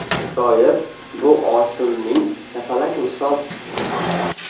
Shoir – bu ochunning kapalak misol